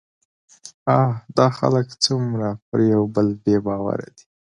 اه! دا خلک څومره پر يوبل بې باوره دي